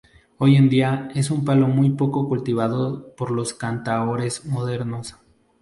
Hoy en día, es un palo muy poco cultivado por los cantaores modernos.